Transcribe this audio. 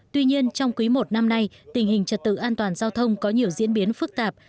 tuy nhiên trong quý i năm nay tình hình trật tự an toàn giao thông có nhiều diễn biến phức tạp